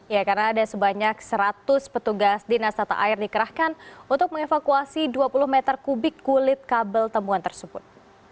ya karena ada sebanyak seratus petugas dinas tata air dikerahkan untuk mengevakuasi dua puluh meter kubik kulit kabel temuan tersebut